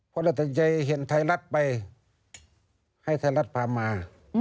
เพราะว่าต้องใจเห็นไทรรัฐไปให้ไทรรัฐพามา